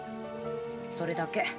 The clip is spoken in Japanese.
それだけ。